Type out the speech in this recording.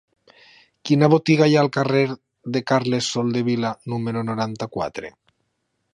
Quina botiga hi ha al carrer de Carles Soldevila número noranta-quatre?